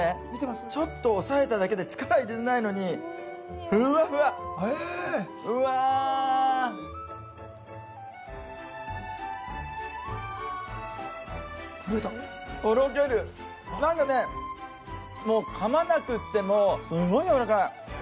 ちょっと押さえただけで力入れてないのにふわふわへえーうわー震えたとろけるなんかねもうかまなくってもすごい軟らかいへ